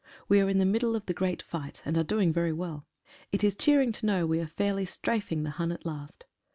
We are in the middle of the great fight, and are doing very well. It is cheering to know we are fairly strafing the Hun at last.